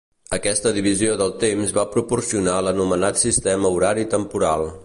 Aquesta divisió del temps va proporcionar l'anomenat sistema horari temporal.